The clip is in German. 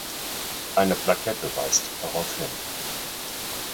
Eine Plakette weist darauf hin.